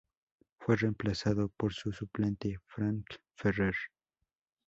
Fue reemplazado por su suplente Frank Ferrer.